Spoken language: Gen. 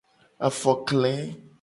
Afokle.